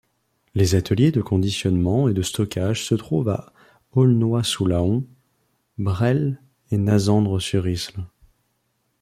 Les ateliers de conditionnement et de stockage se trouvent à Aulnois-sous-Laon, Bresles et Nassandres-sur-Risle.